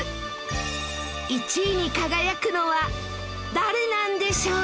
１位に輝くのは誰なんでしょう？